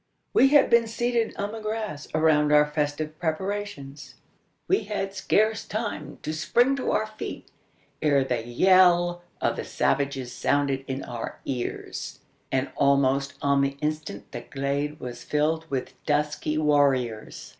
We had been seated on the grass, around our festive preparations. We had scarce time to spring to our feet, ere the yell of the savages sounded in our ears; and almost on the instant the glade was filled with dusky warriors.